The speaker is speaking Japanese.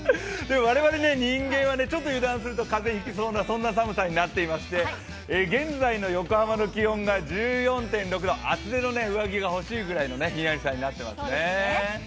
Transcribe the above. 我々、人間はちょっと油断すると風邪ひきそうな寒さになってまして現在の横浜の気温が１４．６度厚手の上着が欲しいぐらいのひんやりさに、なっていますね。